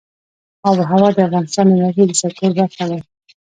آب وهوا د افغانستان د انرژۍ د سکتور برخه ده.